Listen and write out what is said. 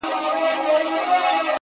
بيا کرار ،کرار د بت و خواته گوري.